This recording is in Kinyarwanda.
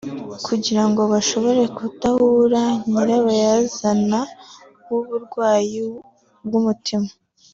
kugira ngo bashobore gutahura nyirabayazana w’uburwayi bw’umutima